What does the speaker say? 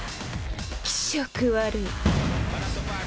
気色悪い。